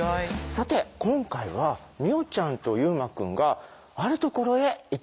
さて今回は美音ちゃんと悠真くんがあるところへ行ってきたわよね？